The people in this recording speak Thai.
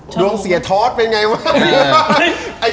ดวงเสียท็อตเป็นไงวะ